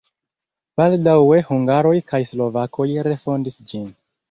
Baldaŭe hungaroj kaj slovakoj refondis ĝin.